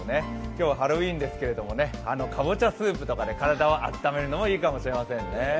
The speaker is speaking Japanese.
今日はハロウィーンですけれどもかぼちゃスープとかで体を温めるのもいいかもしれませんね。